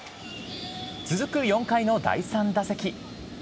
続く４回の第３打席。